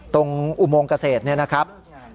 อุโมงเกษตรเนี่ยนะครับ